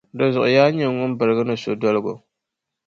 Dinzuɣu yaa nyini ŋun birigi ni sodoligu.